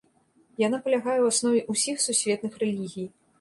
Яна палягае ў аснове ўсіх сусветных рэлігій.